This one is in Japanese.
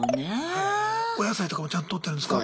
お野菜とかもちゃんととってるんですか？